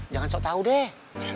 jangan sok tau deh